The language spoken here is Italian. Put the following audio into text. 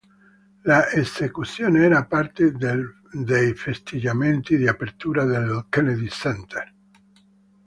L'esecuzione era parte dei festeggiamenti di apertura del Kennedy Center.